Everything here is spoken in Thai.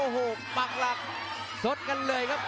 หัวจิตหัวใจแก่เกินร้อยครับ